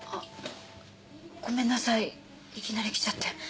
ごめんなさいいきなり来ちゃって。